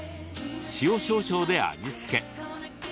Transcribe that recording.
塩少々で味付け。